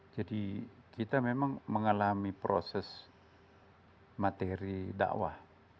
jadi kita memang mengalami proses materi dakwah